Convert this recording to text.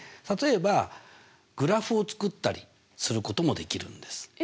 例えばグラフを作ったりすることもできるんです。